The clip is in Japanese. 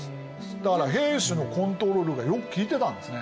だから平氏のコントロールがよくきいてたんですね。